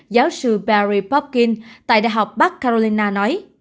giáo sư barry popkin tại đại học bắc carolina nói